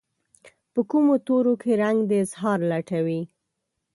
په کومو تورو کې رنګ د اظهار لټوي